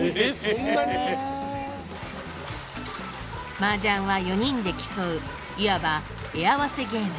麻雀は４人で競ういわば絵合わせゲーム。